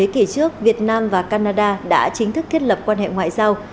kỷ trước việt nam và canada đã chính thức thiết lập quan hệ ngoại giao